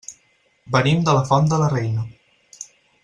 Venim de la Font de la Reina.